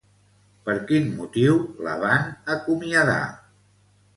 Per quin motiu la van acomiadar?